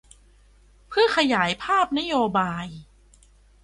เพื่อขยายภาพนโยบาย